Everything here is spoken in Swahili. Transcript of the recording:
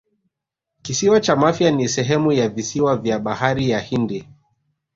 Kisiwa cha Mafia ni sehemu ya visiwa vya Bahari ya Hindi